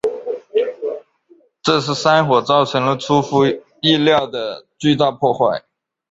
这次山火造成了出乎意料的巨大破坏。